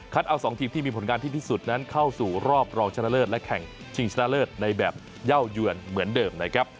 เอา๒ทีมที่มีผลงานที่ที่สุดนั้นเข้าสู่รอบรองชนะเลิศและแข่งชิงชนะเลิศในแบบเย่าเยือนเหมือนเดิมนะครับ